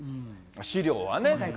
飼料はね。